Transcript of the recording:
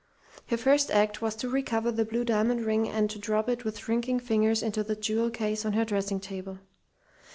Her first act was to recover the blue diamond ring and to drop it with shrinking fingers into the jewel case on her dressing table.